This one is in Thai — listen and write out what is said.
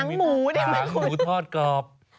หางหมูทอดกรอบ